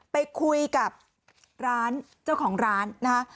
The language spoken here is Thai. ไปคุยกับเจ้าของร้าน